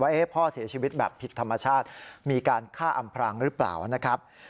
ว่าพ่อเสียชีวิตแบบผิดธรรมชาติมีการฆ่าอำพรางหรือเปล่านะครับ